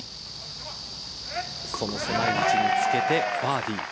その位置につけてバーディー。